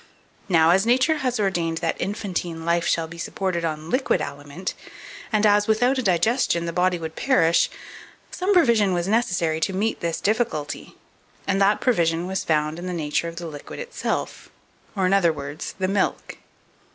Now, as Nature has ordained that infantine life shall be supported on liquid aliment, and as, without a digestion the body would perish, some provision was necessary to meet this difficulty, and that provision was found in the nature of the liquid itself, or in other words, THE MILK.